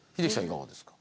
いかがですか。